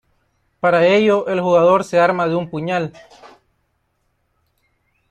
Para ello, el jugador se arma de un puñal.